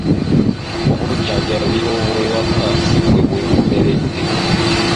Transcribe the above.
Obujjanjabi obw'ewaka si bwe bwenkomeredde.